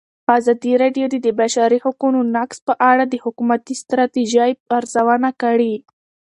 ازادي راډیو د د بشري حقونو نقض په اړه د حکومتي ستراتیژۍ ارزونه کړې.